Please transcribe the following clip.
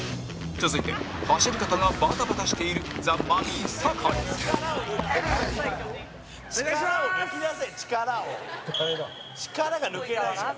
続いて、走り方がバタバタしているザ・マミィ酒井お願いします！